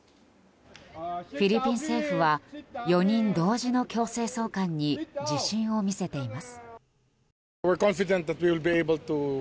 フィリピン政府は４人同時の強制送還に自信を見せています。